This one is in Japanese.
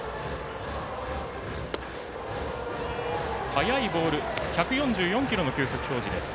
速いボール１４４キロの球速表示。